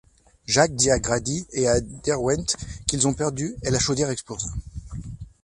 Jack dit à Grady et à Derwent qu’ils ont perdu et la chaudière explose.